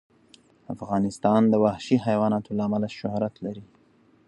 افغانستان د وحشي حیواناتو له امله شهرت لري.